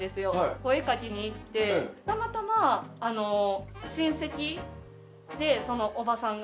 声かけに行ってたまたま親戚でそのおばさんが。